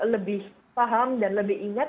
lebih paham dan lebih ingat